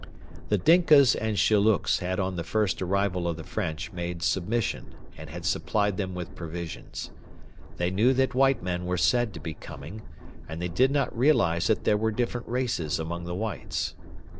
The Dinkas and Shillooks had on the first arrival of the French made submission, and had supplied them with provisions. They knew that white men were said to be coming, and they did not realise that there were different races among the whites.